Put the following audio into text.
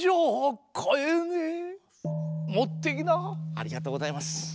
ありがとうございます。